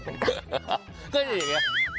ก็อย่างเงี้ย